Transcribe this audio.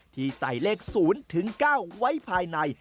ที่ใส่เลข๐ถึง๙ไว้ภายใน